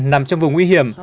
nằm trong vùng nguy hiểm